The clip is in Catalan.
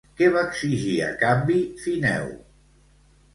Què va exigir a canvi Fineu?